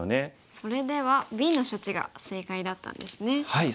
それではＢの処置が正解だったんですね。